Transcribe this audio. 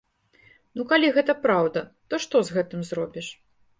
Ну калі гэта праўда, то што з гэтым зробіш.